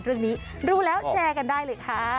เรื่องนี้รู้แล้วแชร์กันได้เลยค่ะ